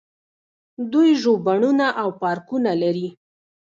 دوی ژوبڼونه او پارکونه لري.